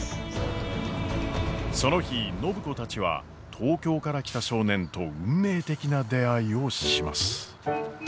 その日暢子たちは東京から来た少年と運命的な出会いをします。